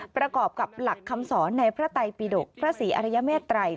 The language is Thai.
ประกอบกับหลักคำสอนในพระไตปิดกพระศรีอริยเมตรัย